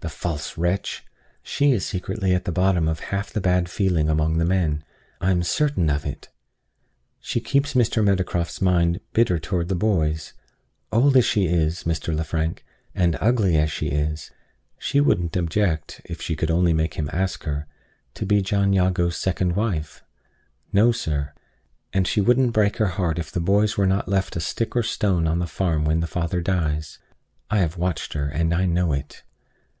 The false wretch! She is secretly at the bottom of half the bad feeling among the men. I am certain of it she keeps Mr. Meadowcroft's mind bitter toward the boys. Old as she is, Mr. Lefrank, and ugly as she is, she wouldn't object (if she could only make him ask her) to be John Jago's second wife. No, sir; and she wouldn't break her heart if the boys were not left a stick or a stone on the farm when the father dies. I have watched her, and I know it.